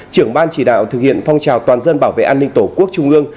trưởng ban chỉ đạo thực hiện phong trào toàn dân bảo vệ an ninh tổ quốc trung ương